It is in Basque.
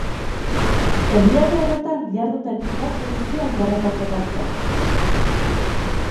Herrialde horretan diharduten lau polizia indarretako bat da.